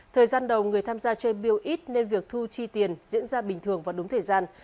thời gian đầu người tham gia chơi biêu ít nên việc thu chi tiền diễn ra bình thường và đúng thời gian